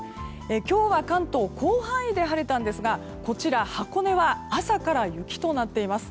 今日は関東広範囲で晴れたんですが箱根は朝から雪となっています。